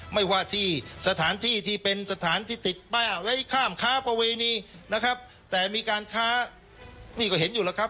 ไม่ว่าที่สถานที่ที่เป็นสถานที่ติดป้ายไว้ข้ามค้าประเวณีนะครับแต่มีการค้านี่ก็เห็นอยู่แล้วครับ